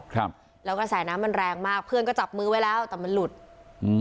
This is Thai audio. ครับแล้วกระแสน้ำมันแรงมากเพื่อนก็จับมือไว้แล้วแต่มันหลุดอืม